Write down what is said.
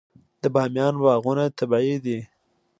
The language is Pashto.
د بامیان باغونه طبیعي دي.